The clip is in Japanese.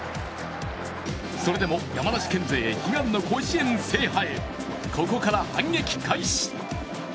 それでも山梨県勢悲願の甲子園制覇へ、ここから反撃開始。